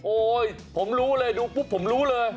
ผมรู้เลยดูปุ๊บผมรู้เลย